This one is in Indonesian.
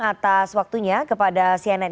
atas waktunya kepada cnn